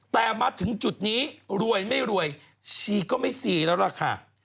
แต่มาถึงจุดนี้รวยไม่รวยชีก็ไม่ซีแล้วล่ะค่ะ